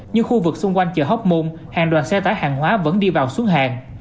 nhưng khu vực xung quanh chợ hóc môn hàng đoàn xe tải hàng hóa vẫn đi vào xuống hàng